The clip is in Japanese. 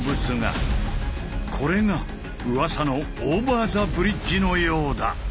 これがうわさの「オーバー・ザ・ブリッジ」のようだ。